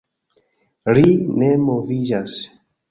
Ri ne moviĝas.